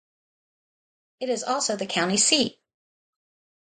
It is also the county seat.